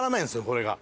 これが。